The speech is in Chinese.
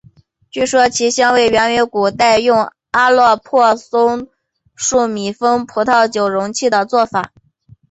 据说其香味源于古代用阿勒颇松的树脂密封葡萄酒容器的做法。